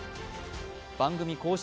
番組公式